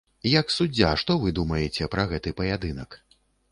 Як суддзя, што вы думаеце пра гэты паядынак?